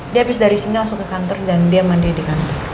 dia habis dari sini langsung ke kantor dan dia mandiri di kantor